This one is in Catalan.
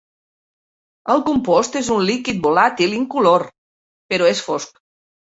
El compost és un líquid volàtil incolor, però és fosc.